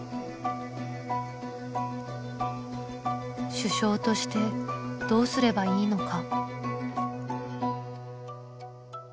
主将としてどうすればいいのか。